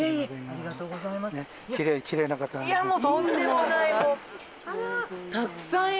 あらたくさんいる！